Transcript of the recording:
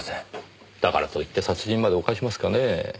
だからといって殺人まで犯しますかねぇ。